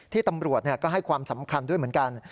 ตำรวจก็ให้ความสำคัญด้วยเหมือนกัน